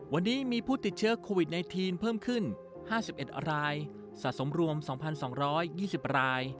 วันนี้มีผู้ติดเชื้อโควิด๑๙เพิ่มขึ้น๕๑รายสะสมรวม๒๒๒๐ราย